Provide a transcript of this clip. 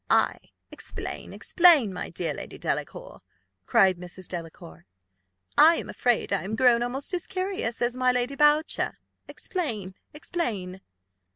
"Ay, explain! explain! my dear Lady Delacour," cried Mrs. Delacour: "I am afraid I am grown almost as curious as my Lady Boucher. Explain! explain!"